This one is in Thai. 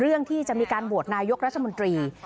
เรื่องที่จะมีการโหวตนายกรัฐมนตรี